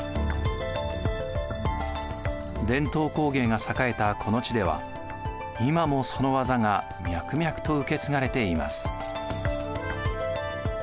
伝統工芸が栄えたこの地では今もその技が脈々と受け継がれています。